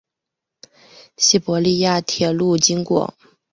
西伯利亚铁路经过。